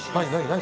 何？